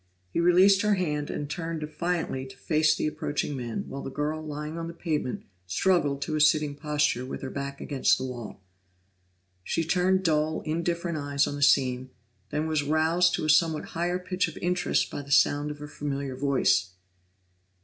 He released her hand and turned defiantly to face the approaching men, while the girl lying on the pavement struggled to a sitting posture with her back against the wall. She turned dull, indifferent eyes on the scene, then was roused to a somewhat higher pitch of interest by the sound of a familiar voice.